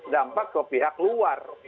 dampak ke pihak luar